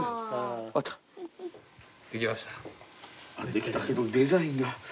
できたけどデザインが。